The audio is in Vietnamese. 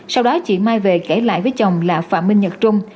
sau đó chị mai về kể lại với chồng là phạm minh nhật trung